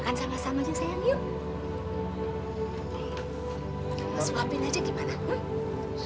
masuapin aja gimana